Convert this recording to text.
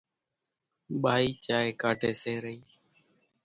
ٻائِي چائيَ ڪاڍيَ سي رئِي۔